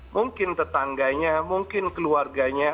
mungkin tetangganya mungkin keluarganya